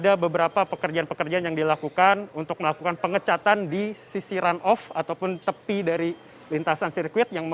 ada beberapa pekerjaan pekerjaan yang dilakukan untuk melakukan pengecatan di sisi run off ataupun tepi dari lintasan sirkuit